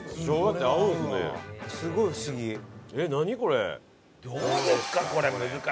どうですか？